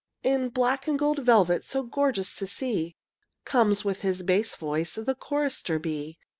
In black and gold velvet, So gorgeous to see, Comes with his bass voice The chorister bee.